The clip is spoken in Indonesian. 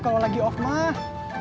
kalau lagi off mah